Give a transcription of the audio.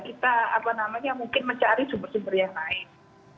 kita apa namanya mungkin mencari sumber sumber yang lain